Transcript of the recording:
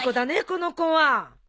この子は。